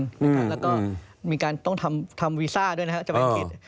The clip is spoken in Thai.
แล้วก็มีการต้องทำวีซ่าด้วยนะครับจะไปอังกฤษ